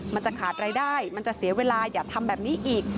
มันจะขาดรายได้มันจะเสียเวลาอย่าทำแบบนี้อีก